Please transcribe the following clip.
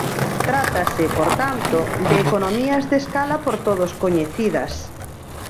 Trátase, por tanto, de economías de escala por todos coñecidas.